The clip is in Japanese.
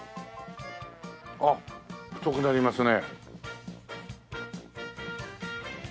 あっ太くなりますね。